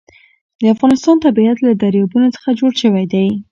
د افغانستان طبیعت له دریابونه څخه جوړ شوی دی.